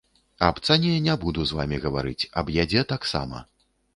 Аб цане не буду з вамі гаварыць, аб ядзе таксама.